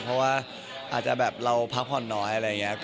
เพราะว่าอาจจะแบบเราพักผ่อนน้อยอะไรอย่างนี้